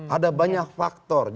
ada banyak faktor